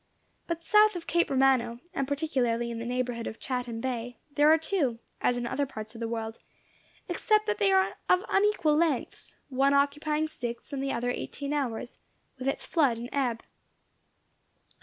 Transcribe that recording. But south of Cape Romano, and particularly in the neighbourhood of Chatham Bay, there are two, as in other parts of the world, except that they are of unequal lengths, one occupying six, and the other eighteen hours, with its flood and ebb.